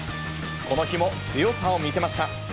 この日も強さを見せました。